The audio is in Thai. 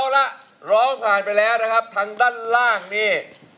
ร้องผ่านไปแล้วนะครับทั้งด้านล่างดี